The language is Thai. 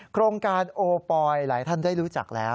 โครงการโอปอยหลายท่านได้รู้จักแล้ว